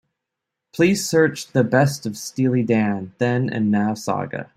Please search The Best of Steely Dan: Then and Now saga.